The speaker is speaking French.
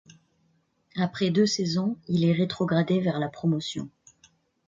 Après deux saisons, il est rétrogradé vers la Promotion.